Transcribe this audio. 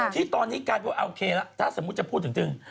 ที่ตอนนี้กลายเป็นว่าโอเคละถ้าสมมุติจะพูดถึงจริง